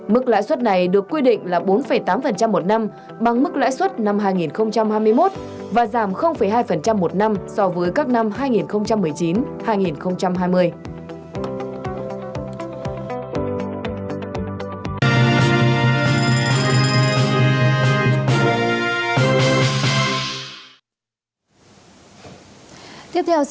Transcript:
mức lãi suất này được quy định là bốn tám một năm bằng mức lãi suất năm hai nghìn hai mươi một